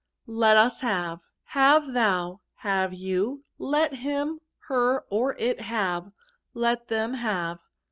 Let us have* Have thou. Have you. Letliim, her, or it have. Let them have.